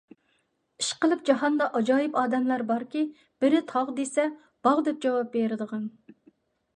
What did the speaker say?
ئىشقىلىپ جاھاندا ئاجايىپ ئادەملەر باركى، بىرى تاغ دېسە، باغ دەپ جاۋاب بېرىدىغان.